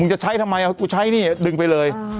จะใช้ทำไมกูใช้นี่ดึงไปเลย